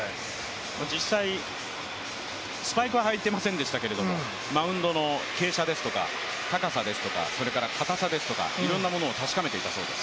実際、スパイク履いていませんでしたけれども、マウンドの傾斜ですとか高さですとか、かたさですとかいろいろなものを確かめていたそうです。